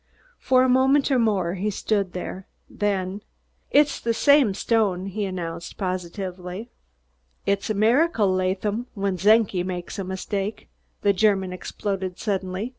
For a moment or more he stood there, then: "It's the same stone," he announced positively. "Id iss der miracle, Laadham, when Czenki make der mistake!" the German exploded suddenly.